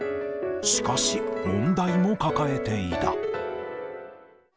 しかし問題も抱えていた。